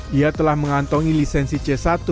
dia telah mengantongi lisensi c satu